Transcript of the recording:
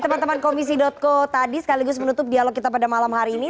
teman teman komisi co tadi sekaligus menutup dialog kita pada malam hari ini